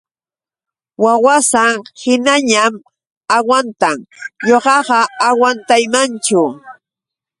Wawasan hinañaćh agwantan ñuqaqa agwantaymanchu.